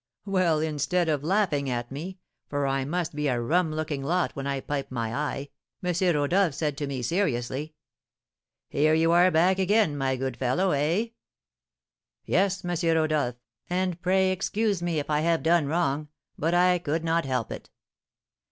Well, instead of laughing at me, for I must be a rum looking lot when I pipe my eye, M. Rodolph said to me, seriously, 'Here you are back again, my good fellow, eh?' 'Yes, M. Rodolph, and pray excuse me if I have done wrong, but I could not help it.